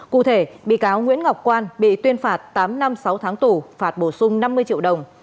cụ thể bị cáo nguyễn ngọc quan bị tuyên phạt tám năm sáu tháng tù phạt bổ sung năm mươi triệu đồng